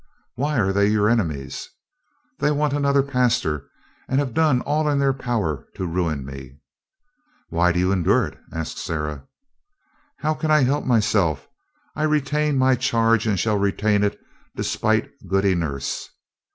"Why are they your enemies?" "They want another pastor, and have done all in their power to ruin me." "Why do you endure it?" asked Sarah. "How can I help myself? I retain my charge and shall retain it, despite Goody Nurse."